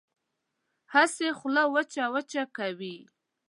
هسې خوله وچه وچه کوي.